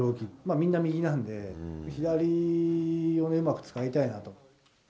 みんな右なんで、左をうまく使いたいなと。